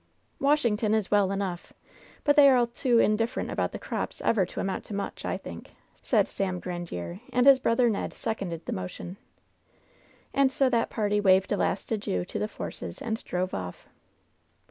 "Washington is well enough, but they are all too in different about the crops ever to amount to much, I think/* said Sam Grandiere, and his brother Ned sec onded the motion. And so that party waved a last adieu to the Forces and drove off.